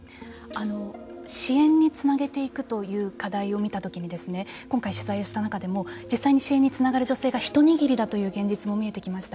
支援につなげていくという課題を見たときに今回取材をした中でも実際支援につながる女性が一握りだという現実も出てきました。